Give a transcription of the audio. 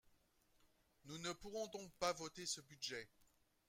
Nous ne pourrons donc pas voter ce budget.